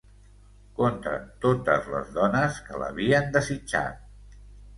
Contra totes les dones que l'havien desitjat.